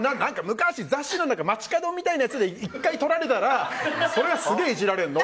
昔、雑誌の街角みたいなやつで１回撮られたらそれがすげーイジられるの。